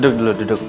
duduk dulu duduk